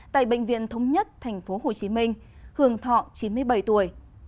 tại bệnh viện thống nhất tp hcm hường thọ chín mươi bảy tuổi